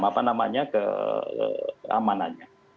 apa namanya keamanannya